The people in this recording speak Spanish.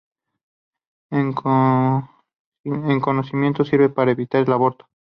En cocimiento sirve para evitar el aborto.